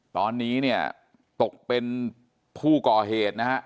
ตอนนี้ตกเป็นผู้ก่อเหตุ